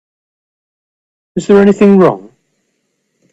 Is there anything wrong?